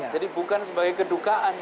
jadi bukan sebagai kedukaan